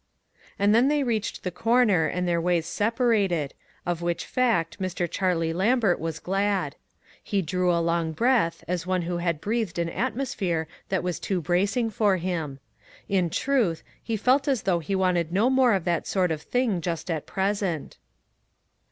And then they reached the corner and their ways separated, of which fact Mr. Charlie Lambert was glad. He drew a long breath, as one who had breathed an atmos phere that was too bracing for him. In truth, he felt as though he wanted no more of that sort of thing just at present.